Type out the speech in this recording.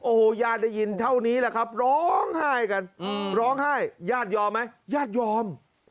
โอ้โหญาติได้ยินเท่านี้แหละครับร้องไห้กันร้องไห้ญาติยอมไหมญาติยอม